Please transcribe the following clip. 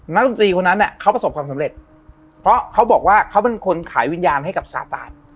ดนตรีคนนั้นเขาประสบความสำเร็จเพราะเขาบอกว่าเขาเป็นคนขายวิญญาณให้กับสาตาน